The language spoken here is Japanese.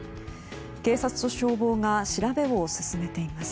警察と消防が調べを進めています。